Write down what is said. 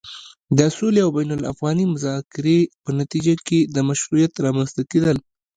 د سولې او بين الافغاني مذاکرې په نتيجه کې د مشروعيت رامنځته کېدل